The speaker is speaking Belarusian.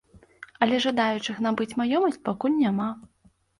Але жадаючых набыць маёмасць пакуль няма.